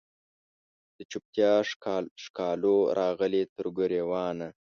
د چوپتیا ښکالو راغلې تر ګریوانه